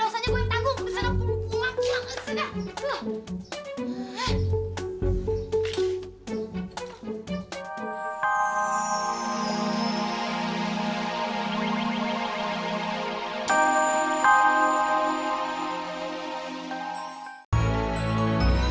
sampai jumpa lagi